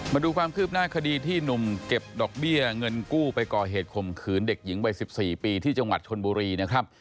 มาดูความคืบหน้าคดีที่หนุ่มเก็บดอกเบี้ยเงินกู้ไปก่อเหตุข่มขืนเด็กหญิงวัย๑๔ปีที่จังหวัดชนบุรีนะครับ